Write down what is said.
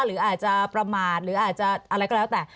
หรืออาจจะประมาทหรืออาจจะอะไรก็แล้วแต่